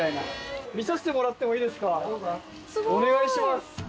お願いします。